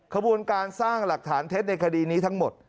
ขบวนการสร้างหลักฐานเท็จในคดีนี้ทั้งหมด